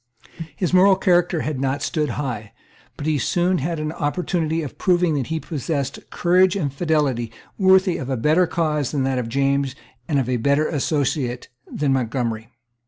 His moral character had not stood high; but he soon had an opportunity of proving that he possessed courage and fidelity worthy of a better cause than that of James and of a better associate than Montgomery.